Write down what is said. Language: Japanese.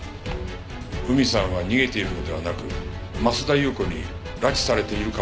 海さんは逃げているのではなく増田裕子に拉致されている可能性があります。